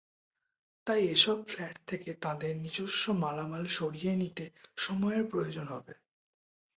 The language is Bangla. তাই এসব ফ্ল্যাট থেকে তাঁদের নিজস্ব মালামাল সরিয়ে নিতে সময়ের প্রয়োজন হবে।